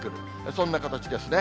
そんな形ですね。